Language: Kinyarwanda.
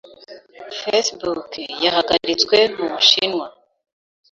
Facebook yahagaritswe mubushinwa.